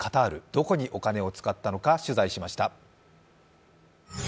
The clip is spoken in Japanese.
どこにお金を使ったのか、取材しました。